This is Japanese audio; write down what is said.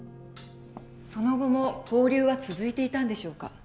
その後も交流は続いていたんでしょうか？